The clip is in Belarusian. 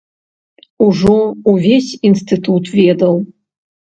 Ужо увесь інстытут ведаў.